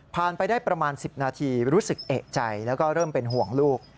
ไปได้ประมาณ๑๐นาทีรู้สึกเอกใจแล้วก็เริ่มเป็นห่วงลูก